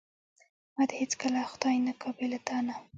ما دې هیڅکله خدای نه کا بې له تانه.